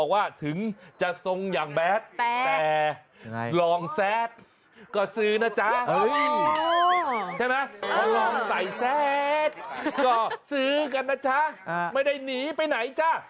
ก็ซื้อกันนะจ๊ะไม่ได้หนีไหนจ้ะ